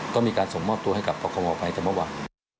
ก็มีการส่งมอบตัวให้กับพักครองออกไปจากเมื่อวาน